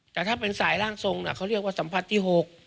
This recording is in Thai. แต่ถ้าเป็นสายร่างทรงเขาเรียกว่าสัมผัสที่๖